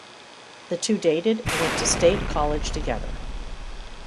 The two dated and went to State college together.